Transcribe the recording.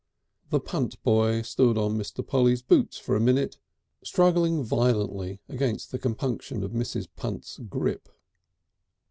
The Punt boy stood on Mr. Polly's boots for a minute, struggling violently against the compunction of Mrs. Punt's grip.